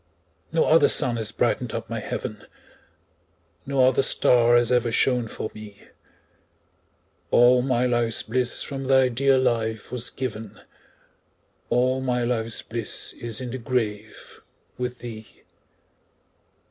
No other sun has brightened up my heaven, No other star has ever shone for me; All my life's bliss from thy dear life was given, All my life's bliss is in the grave with thee.